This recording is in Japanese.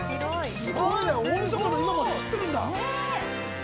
すごいな、大みそかの今も作ってるんだ。